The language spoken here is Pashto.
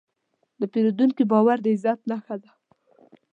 د پیرودونکي باور د عزت نښه ده.